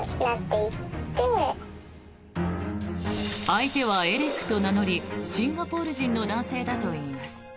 相手はエリックと名乗りシンガポール人の男性だといいます。